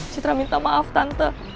citra minta maaf tante